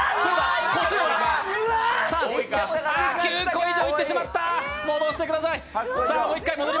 ９個以上いってしまった、戻してください。